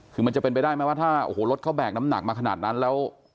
คือมันจะเป็นไปได้ไหมว่าถ้าโอ้โหรถเขาแบกน้ำหนักมาขนาดนั้นแล้ว